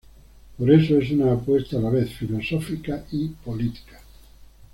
Por eso es una apuesta a la vez filosófica y política"".